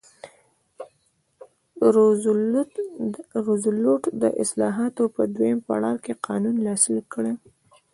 روزولټ د اصلاحاتو په دویم پړاو کې قانون لاسلیک کړ.